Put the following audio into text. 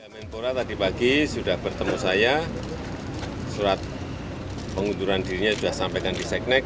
menpora tadi pagi sudah bertemu saya surat pengunduran dirinya sudah sampaikan di seknek